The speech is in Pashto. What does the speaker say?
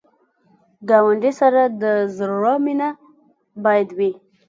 ګاونډي سره د زړه مینه باید وي